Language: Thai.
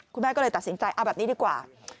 คุณแม่ก็เลยตัดสินใจเอาแบบนี้ดีกว่า